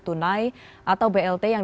tunai atau blt yang